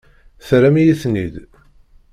Terram-iyi-tent-id.